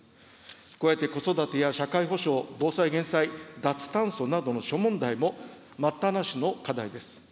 加えて子育てや社会保障、防災・減災、脱炭素などの諸問題も待ったなしの課題です。